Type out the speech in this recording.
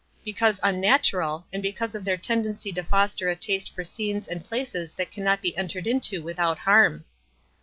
• "Because unnatural, and because of their ten dency to foster a taste for scenes and places that cannot be entered into without harm."